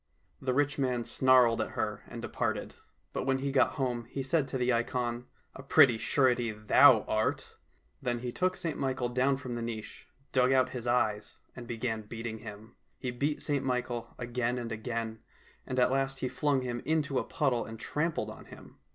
" The rich man snarled at her and departed, but when he got home he said to the ikon, " A pretty surety thou art !" Then he took St Michael down from the niche, dug out his eyes, and began beating him. He beat St Michael again and again, and at last he flung him into a puddle and trampled on him.